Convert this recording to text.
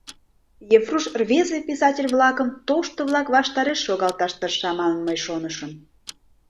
Ефруш рвезе писатель-влакым тошто-влак ваштареш шогалташ тырша манын, мый шонышым.